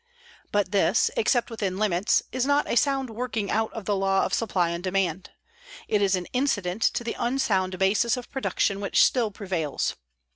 But this, except within limits, is not a sound working out of the law of supply and demand. It is an incident to the unsound basis of production which still prevails.